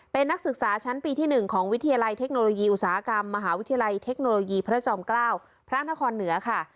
เป็นนักศึกษาชั้นปีที่๑ของวิทยาลัยเทคโนโลยีอุตสาหกรรมมหาวิทยาลัยเทคโนโลยีพระจอมเกล้าพระนครเหนือค่ะ